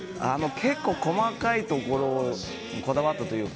結構、細かいところにこだわったというか。